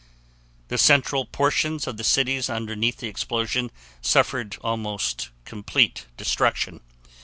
The central portions of the cities underneath the explosions suffered almost complete destruction.